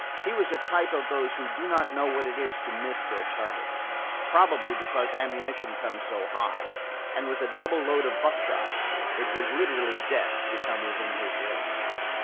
He was a type of those who do not know what it is to miss their target probably because ammunition comes so high; and with a double load of buckshot it was literally death to come within his range.